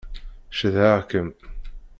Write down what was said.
Cedhaɣ-kem.